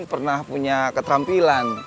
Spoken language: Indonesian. pernah punya ketrampilan